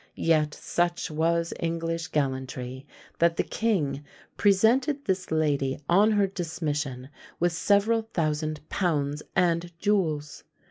Yet such was English gallantry, that the king presented this lady on her dismission with several thousand pounds and jewels.